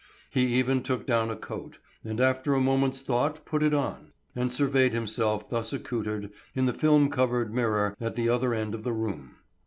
He even took down a coat, and after a moment's thought put it on, and surveyed himself thus accoutered in the film covered mirror at the other end of the room.